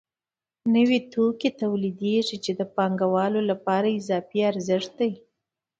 نوي توکي تولیدېږي چې د پانګوالو لپاره اضافي ارزښت دی